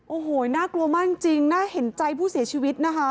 โอ้โหน่ากลัวมากจริงน่าเห็นใจผู้เสียชีวิตนะคะ